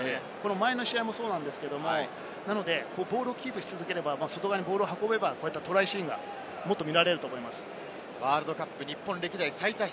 前の試合もそうなんですが、ボールをキープし続ければ、外側にボールを運べば、トライシーンがもっと見られると思います。